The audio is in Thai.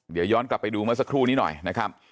เดี๋ยวย้อนกลับไปดูเมื่อสักครู่นี้หน่อยนะครับ